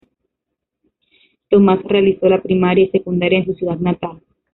Tomás realizó la primaria y secundaria en su ciudad natal.